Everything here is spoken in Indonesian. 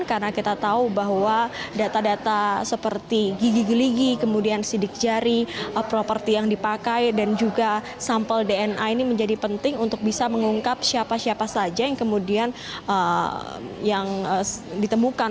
karena kita tahu bahwa data data seperti gigi gigiligi kemudian sidik jari properti yang dipakai dan juga sampel dna ini menjadi penting untuk bisa mengungkap siapa siapa saja yang kemudian ditemukan